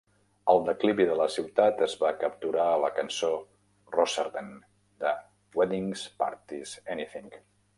El declivi de la ciutat es va capturar a la cançó "Rossarden" de Weddings Parties Anything.